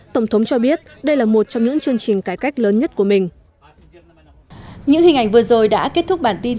tổng thống cho biết đây là một trong những chương trình cải cách lớn nhất của mình